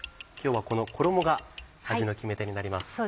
今日はこの衣が味の決め手になります。